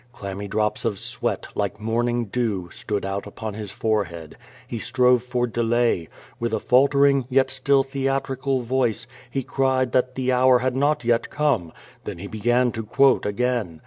Clammy drops of sweat, like morning dew, stood out upon his forehead. He strove for delay. With a falter ing, yet still theatrical voice, he cried that the hour had not yet come. Then he began to quote again.